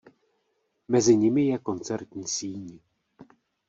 Mezi nimi je koncertní síň.